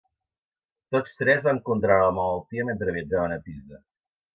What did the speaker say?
Tots tres van contraure la malaltia mentre viatjaven a Pisa.